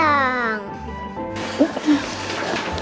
kulang lebar ma